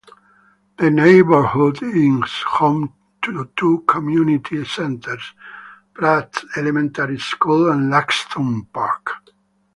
The neighborhood is home to two community centers, Pratt Elementary School and Luxton Park.